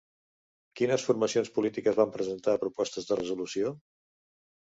Quines formacions polítiques van presentar propostes de resolució?